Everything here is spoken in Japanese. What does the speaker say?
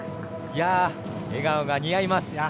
笑顔が似合います。